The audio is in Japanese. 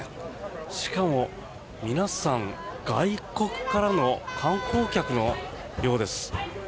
しかも、皆さん外国からの観光客のようです。